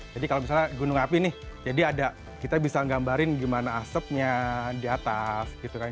jadi kalau misalnya gunung api nih jadi ada kita bisa gambarin gimana asepnya di atas gitu kan